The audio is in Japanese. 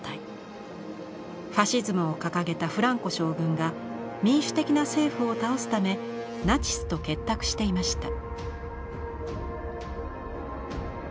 ファシズムを掲げたフランコ将軍が民主的な政府を倒すためナチスと結託していました。